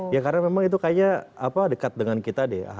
ya karena memang itu kayaknya dekat dengan kita deh